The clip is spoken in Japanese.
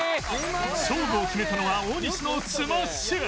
勝負を決めたのは大西のスマッシュ